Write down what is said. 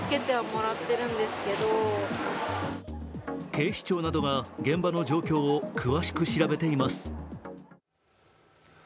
警視庁などが現場の状況を詳しく調べています。